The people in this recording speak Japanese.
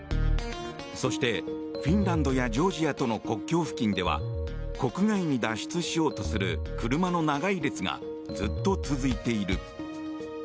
そしてフィンランドやジョージアとの国境付近では国外に脱出しようとする車の長い列がずっと続いている。